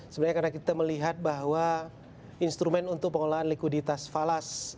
sebenarnya karena kita melihat bahwa instrumen untuk pengolahan likuiditas falas